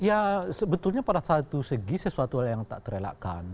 ya sebetulnya pada satu segi sesuatu hal yang tak terelakkan